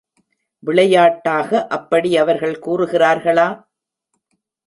விளையாட்டாக அப்படி அவர்கள் கூறுகிறார்களா?